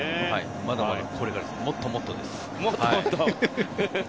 まだまだここからもっともっとです。